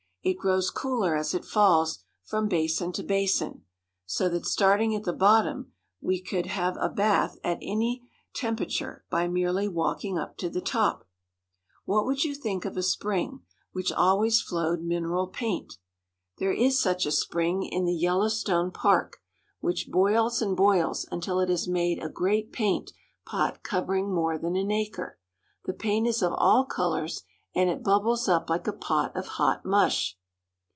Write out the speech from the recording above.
It grows cooler as it falls from basin to basin, so that, starting at the bottom, we could have a bath at any temperature by merely walking up to the top. What would you think of a spring which always flowed 286 YELLOWSTONE PARK. Hot ^Springs. mineral paint? There is such a spring in the Yellowstone Park, which boils and boils until it has made a grjeat paint pot covering more than an acre. The paint is of all colors, and it bubbles up like a pot of hot mush.